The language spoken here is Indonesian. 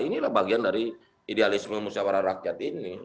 inilah bagian dari idealisme musyawarah rakyat ini